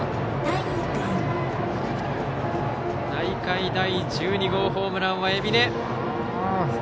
大会第１２号ホームランは海老根。